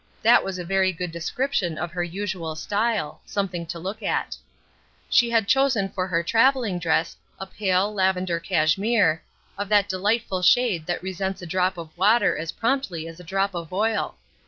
That was a very good description of her usual style something to look at. She had chosen for her traveling dress a pale, lavender cashmere, of that delightful shade that resents a drop of water as promptly as a drop of oil.